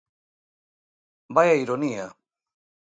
¡Vaia ironía!